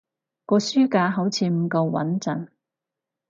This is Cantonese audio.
個書架好似唔夠穏陣